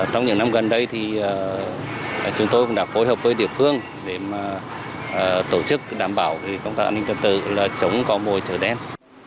trong những năm gần đây thì chúng tôi cũng đã phối hợp với địa phương để tổ chức đảm bảo công tác an ninh trật tự là chống có mồi trở đen